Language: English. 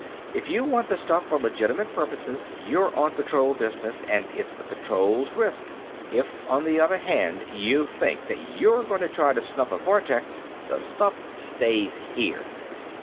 "If you want the stuff for legitimate purposes, you're on Patrol business and it is the Patrol's risk. If, on the other hand, you think that you're going to try to snuff a vortex, the stuff stays here.